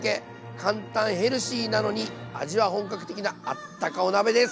簡単ヘルシーなのに味は本格的なあったかお鍋です。